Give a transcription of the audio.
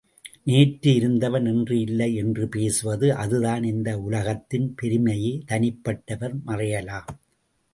நேற்று இருந்தவன் இன்று இல்லை என்று பேசுவது அதுதான் இந்த உலகத்தின் பெருமையே தனிப்பட்டவர் மறையலாம்.